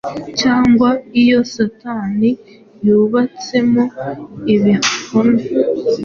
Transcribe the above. cyangwa iyo Satani yubatsemo ibihome,